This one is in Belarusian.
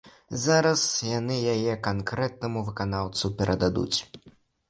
Зараз яны яе канкрэтнаму выканаўцу перададуць.